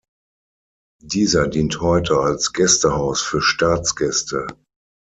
Dieser dient heute als Gästehaus für Staatsgäste.